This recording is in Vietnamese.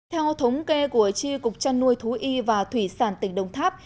theo thống kê của tri cục trăn nuôi thú y và thủy sản tỉnh đồng tháp